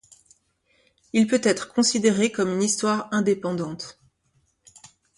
Il peut être considéré comme une histoire indépendante.